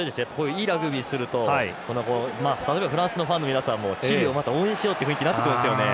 いいラグビーすると例えば、フランスのファンの皆さんもチリを応援しようっていう雰囲気になってくるんですよね。